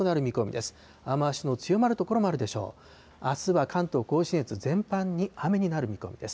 あすは関東甲信越全般に雨になる見込みです。